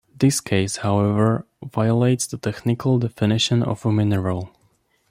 This case, however, violates the technical definition of a mineral.